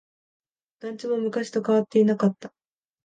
団地も昔と変わっていなかった。